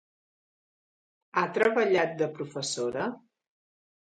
Ha treballat de professora?